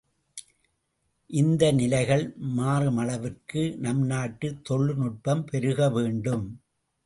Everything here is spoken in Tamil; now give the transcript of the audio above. இந்த நிலைகள் மாறுமளவிற்கு நம் நாட்டில் தொழில் நுட்பம் பெருகவேண்டும்.